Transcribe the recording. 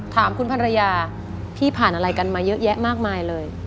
ถามคุณภรรยาพี่ผ่านอะไรกันมาเยอะแยะมากมายเลย